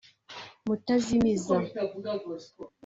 Mutazimiza